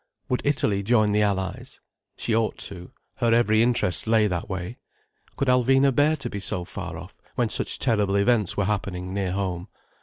Would Italy join the Allies? She ought to, her every interest lay that way. Could Alvina bear to be so far off, when such terrible events were happening near home?